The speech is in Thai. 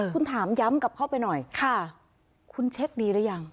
คุณถามย้ำกลับเข้าไปหน่อยคุณเช็คดีหรือยัง